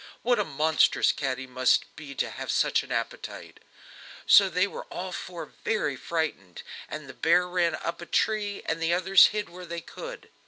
What a monstrous cat he must be to have such an appetite!" So they were all four very frightened, and the bear ran up a tree, and the others hid where they could.